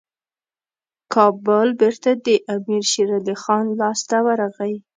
کابل بیرته د امیر شېرعلي خان لاسته ورغی.